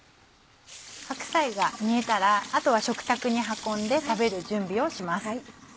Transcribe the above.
白菜が煮えたらあとは食卓に運んで食べる準備をします。